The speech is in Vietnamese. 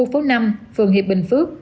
phường hiệp bình phước